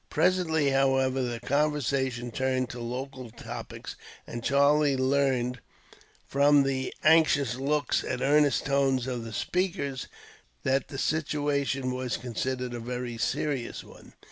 Presently, however, the conversation turned to local topics; and Charlie learned, from the anxious looks and earnest tones of the speakers, that the situation was considered a very serious one.